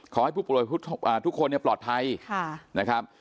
ขอให้ผู้โปรยพุทธอ่าทุกคนเนี่ยปลอดไทยค่ะนะครับ